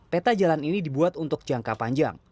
peta jalan ini dibuat untuk jangka panjang